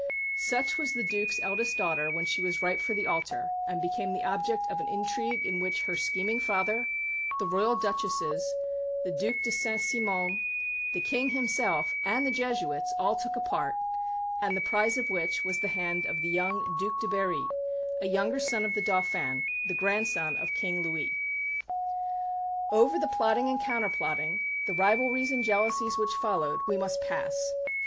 Such was the Duc's eldest daughter when she was ripe for the altar and became the object of an intrigue in which her scheming father, the Royal Duchesses, the Duc de Saint Simon, the King himself, and the Jesuits all took a part, and the prize of which was the hand of the young Duc de Berry, a younger son of the Dauphin, the grandson of King Louis. Over the plotting and counterplotting, the rivalries and jealousies which followed, we must pass.